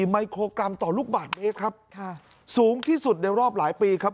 ไมโครกรัมต่อลูกบาทเมตรครับสูงที่สุดในรอบหลายปีครับ